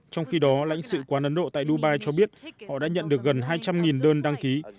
trong khi đó lãnh sự quán ấn độ tại dubai cho biết họ đã nhận được gần hai trăm linh đơn đăng ký